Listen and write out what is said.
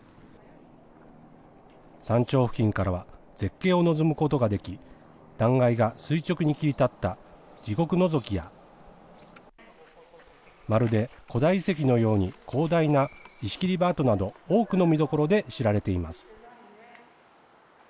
山頂付近からは絶景を望むことができ、断崖が垂直に切り立った地獄のぞきや、まるで古代遺跡のように広大な石切場跡など、多くの見どころで知られています。